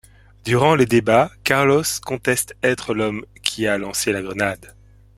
Durant les débats, Carlos conteste être l'homme qui a lancé la grenade.